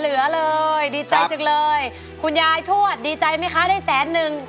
เหลือเลยดีใจจังเลยคุณยายทวดดีใจไหมคะได้แสนนึง